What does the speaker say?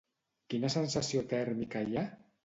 Quina sensació tèrmica hi ha?